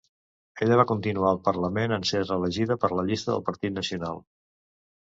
Ella va continuar al Parlament en ser reelegida per la llista del Partit Nacional.